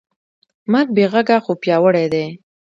مرګ بېغږه خو پیاوړی دی.